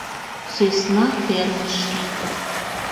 Сӧсна фермышке.